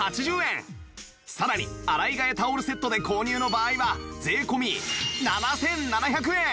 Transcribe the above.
さらに洗い替えタオルセットで購入の場合は税込７７００円